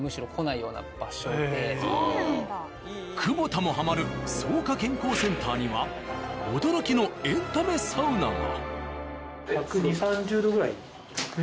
窪田もハマる草加健康センターには驚きのエンタメサウナが。